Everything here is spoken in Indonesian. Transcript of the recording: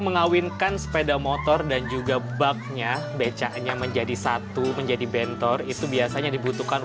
mengawinkan sepeda motor dan juga baknya becaknya menjadi satu menjadi bentor itu biasanya dibutuhkan